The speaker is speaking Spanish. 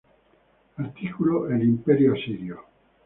Artículo:El Imperio Asirio.